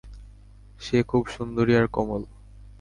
সে খুব সুন্দরী আর কোমল।